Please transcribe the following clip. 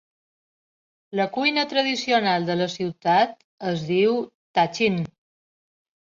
La cuina tradicional de la ciutat es diu tahchin.